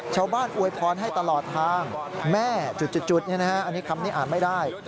อวยพรให้ตลอดทางแม่จุดอันนี้คำนี้อ่านไม่ได้